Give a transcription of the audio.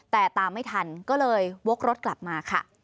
แต่ตามไม่ทันก็เลยวกรถกลับมาค่ะ